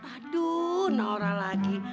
aduh naura lagi